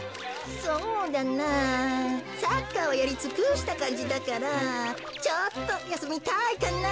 そうだなサッカーはやりつくしたかんじだからちょっとやすみたいかな。